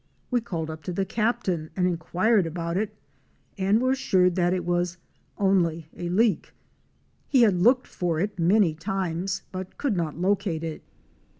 We called up to the captain and inquired about it, and were assured that it was "only a leak!'' He had looked for it many times, but could not locate it.